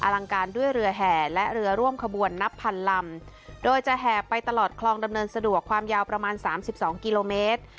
ลังการด้วยเรือแห่และเรือร่วมขบวนนับพันลำโดยจะแห่ไปตลอดคลองดำเนินสะดวกความยาวประมาณสามสิบสองกิโลเมตร